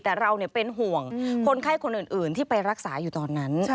แต่เราเป็นห่วงคนไข้คนอื่นที่ไปรักษาอยู่ตอนนั้น